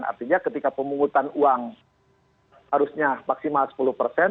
artinya ketika pemungutan uang harusnya maksimal sepuluh persen